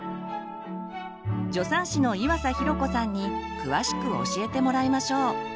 助産師の岩佐寛子さんに詳しく教えてもらいましょう。